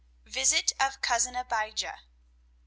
VISIT OF COUSIN ABIJAH.